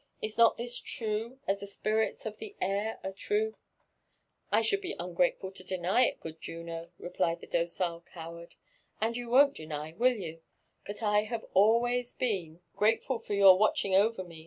— ^is not this true as the spirits of the air are true ?"" I should be ungrateful to deny it, good Juno," replied the docile coward: " and you won't deny, will you, that I have always been grateful for your watching over me?